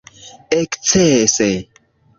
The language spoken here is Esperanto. ekscese